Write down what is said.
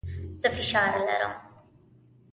زه فشار لرم.